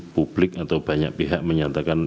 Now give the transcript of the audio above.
publik atau banyak pihak menyatakan